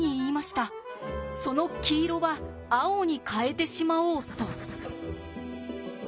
その黄色は青に変えてしまおうと。